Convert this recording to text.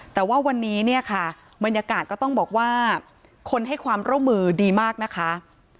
แต่ว่าวันนี้เนี่ยค่ะบรรยากาศก็ต้องบอกว่าคนให้ความร่วมมือดีมากนะคะ